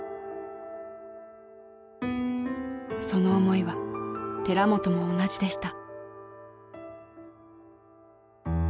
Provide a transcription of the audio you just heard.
その思いは寺本も同じでした。